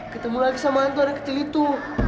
ketemu lagi sama hantu anak kecil itu